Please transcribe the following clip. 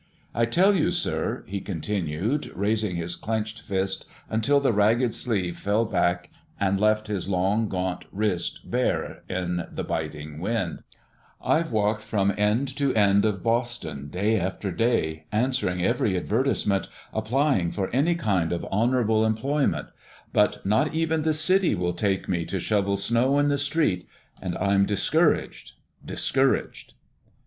I tell you, sir," he continued, raising his clenched fist until the ragged sleeve fell back and left his long, gaunt wrist bare in the biting wind, "I've walked from end to end of Boston, day after day, answering every advertisement, applying for any kind of honorable employment; but not even the city will take me to shovel snow in the streets, and I'm discouraged, discouraged."